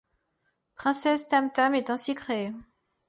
Princesse tam.tam, est ainsi créée.